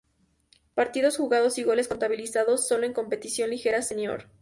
Partidos jugados y goles contabilizados sólo en competición liguera senior.